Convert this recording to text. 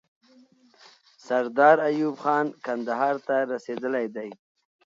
سردار ایوب خان کندهار ته رسیدلی دی.